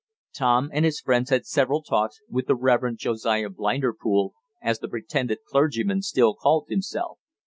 Tom and his friends had several talks with the "Reverend Josiah Blinderpool," as the pretended clergyman still called himself.